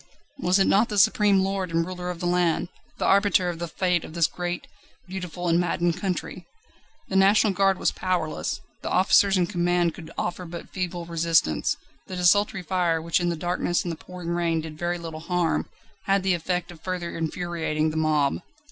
Was it not the supreme lord and ruler of the land, the arbiter of the Fate of this great, beautiful, and maddened country? The National Guard was powerless; the officers in command could offer but feeble resistance. The desultory fire, which in the darkness and the pouring rain did very little harm, had the effect of further infuriating the mob.